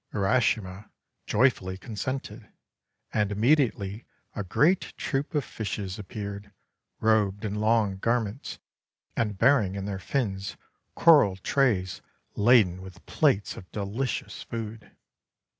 Urashima joyfully consented, and immediately a great troop of fishes appeared, robed in long garments, and bearing in their fins coral trays laden with plates of delicious food.